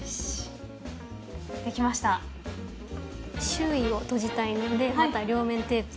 周囲を閉じたいのでまた両面テープを。